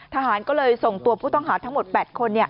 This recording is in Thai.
ทหารก็เลยส่งตัวผู้ต้องหาทั้งหมด๘คน